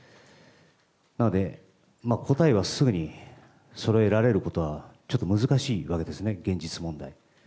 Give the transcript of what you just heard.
なので、答えはすぐにそろえられることはちょっと難しいわけですね、現実問題。